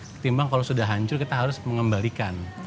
ketimbang kalau sudah hancur kita harus mengembalikan